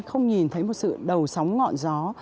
không nhìn thấy một sự đầu sóng ngọn gió